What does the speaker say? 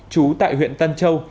chú tại huyện tân châu